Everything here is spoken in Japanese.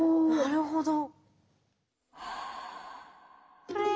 なるほど。